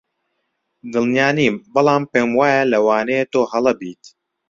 دڵنیا نیم، بەڵام پێم وایە لەوانەیە تۆ هەڵە بیت.